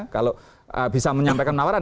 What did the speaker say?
kalau bisa menyampaikan penawaran